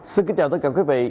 xin kính chào tất cả quý vị